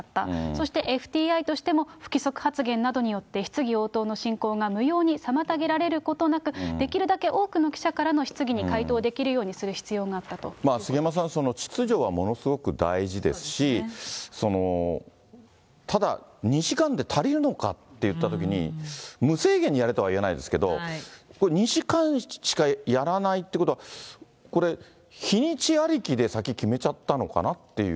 そしてＦＴＩとしても、不規則発言などによって、質疑応答の進行が無用に妨げられることなく、できるだけ多くの記者からの質疑に回答できるようにする必要があ杉山さん、秩序はものすごく大事ですし、ただ、２時間で足りるのかっていったときに、無制限にやれとは言わないですけれども、これ、２時間しかやらないっていうことは、これ、日にちありきで先決めちゃったのかなっていう。